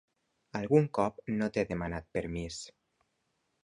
Algun cop no t'he demanat permís.